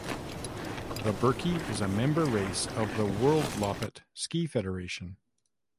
The Birkie is a member race of the Worldloppet Ski Federation.